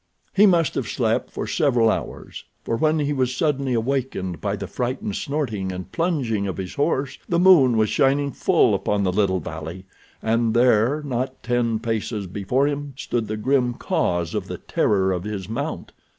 He must have slept for several hours, for when he was suddenly awakened by the frightened snorting and plunging of his horse the moon was shining full upon the little valley, and there, not ten paces before him, stood the grim cause of the terror of his mount.